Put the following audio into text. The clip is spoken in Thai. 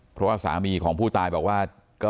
เพราะว่าสามีของผู้ตายบอกว่า